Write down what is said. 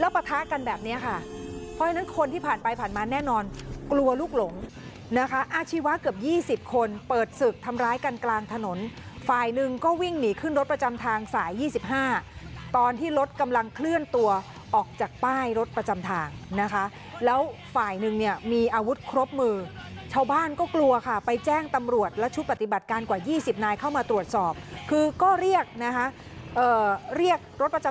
แล้วปะทะกันแบบเนี้ยค่ะเพราะฉะนั้นคนที่ผ่านไปผ่านมาแน่นอนกลัวลูกหลงนะคะอาชีวะเกือบยี่สิบคนเปิดศึกทำร้ายกันกลางถนนฝ่ายนึงก็วิ่งหนีขึ้นรถประจำทางสายยี่สิบห้าตอนที่รถกำลังเคลื่อนตัวออกจากป้ายรถประจำทางนะคะแล้วฝ่ายนึงเนี่ยมีอาวุธครบมือชาวบ้านก็กลัวค่ะไปแจ้งตำรวจและช